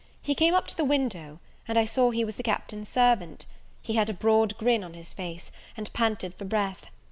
He came up to the window, and I saw he was the Captain's servant. He had a broad grin on his face, and panted for breath.